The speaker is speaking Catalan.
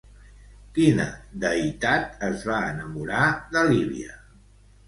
Quina deïtat es va enamorar de Líbia?